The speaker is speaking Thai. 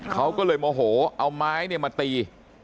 เขาก็เลยโมโหเอาไม้มาตี